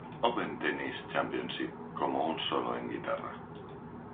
Open Tennis Championship como un solo en guitarra.